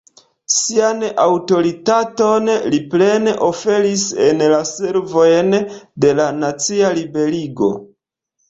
Sian aŭtoritaton li plene oferis en la servojn de la nacia liberigo.